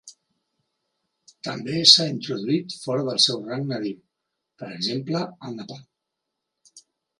També s'ha introduït fora del seu rang nadiu, per exemple al Nepal.